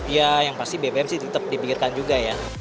ya yang pasti bbm sih tetap dipikirkan juga ya